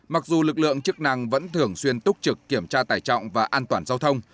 mặc dù lực lượng chức năng vẫn thường xuyên túc trực kiểm tra tải trọng và an toàn giao thông